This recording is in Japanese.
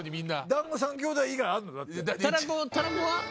『だんご３兄弟』以外あんの？